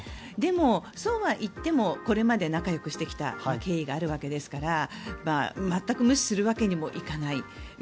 でも、そうはいってもこれまで仲よくしてきた経緯があるわけですから全く無視するわけにもいかない。